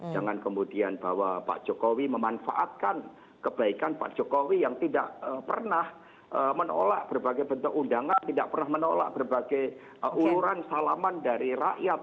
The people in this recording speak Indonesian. jangan kemudian bahwa pak jokowi memanfaatkan kebaikan pak jokowi yang tidak pernah menolak berbagai bentuk undangan tidak pernah menolak berbagai uluran salaman dari rakyat